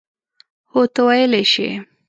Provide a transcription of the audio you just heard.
هو، ته ویلای شې.